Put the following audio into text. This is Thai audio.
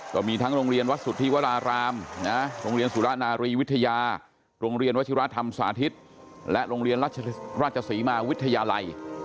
ก็มีทั้งโรงเรียนวัดสุธิวรารามโรงเรียนสุรนารีวิทยาโรงเรียนวชิราธรรมสาธิตและโรงเรียนราชศรีมาวิทยาลัย